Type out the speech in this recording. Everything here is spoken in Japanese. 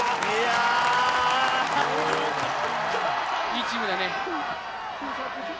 いいチームだね。